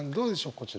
こちら。